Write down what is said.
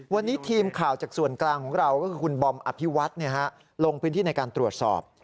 วันนี้ทีมข่าวจากส่วนกลางของเราก็คือคุณบอมอภิวัฒน์ลงพื้นที่ในการตรวจสอบ